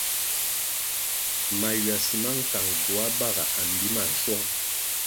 Maywasi ma nkang gioa baga a mbi ma nschuong.